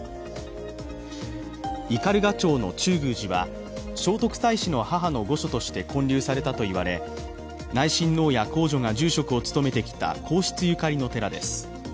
斑鳩町の中宮寺は聖徳太子の母の御所として建立されたと言われ内親王や皇女が住職を務めてきた皇室ゆかりの寺です。